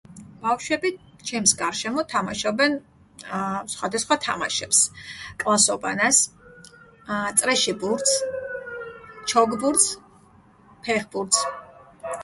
ბავშვები ჩემს გარშემო თამაშობენ სხვადასხვა თამაშებს: კლასობანას, წრეში ბურთს, ჩოგბურთს, ფეხბურთს.